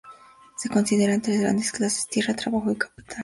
Se consideran tres grandes clases: tierra, trabajo y capital.